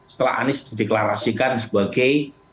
setelah anies diklarasikan sebagai